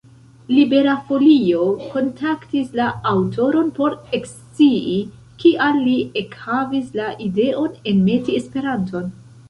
Libera Folio kontaktis la aŭtoron por ekscii, kial li ekhavis la ideon enmeti Esperanton.